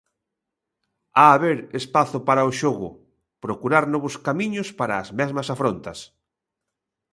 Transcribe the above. Ha haber espazo para o xogo: procurar novos camiños para as mesmas afrontas.